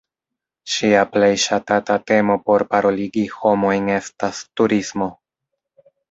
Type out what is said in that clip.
Ŝia plej ŝatata temo por paroligi homojn estas "turismo".